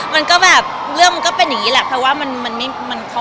มันก็แบบเรื่องมันก็เป็นอย่างเงี้ยแหละเพราะว่ามันไม่ได้ตั้งใจอะไรอย่างเงี้ย